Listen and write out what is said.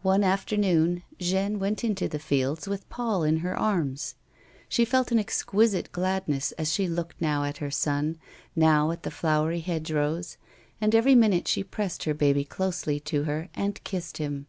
One afternoon Jeanne went into the fields with Paul in her arms. She felt an exquisite gladness as she looked now at her son, now at the flowery hedgerows, and every minute she pressed her baby closely to her and kissed him.